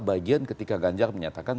bagian ketika ganjar menyatakan